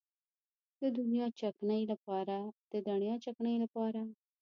د دڼیا چکنۍ لپاره د غوښې له ماشین څخه ایستل شوې دڼیا پکار ده.